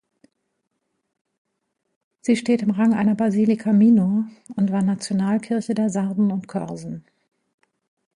Sie steht im Rang einer "Basilica minor" und war Nationalkirche der Sarden und Korsen.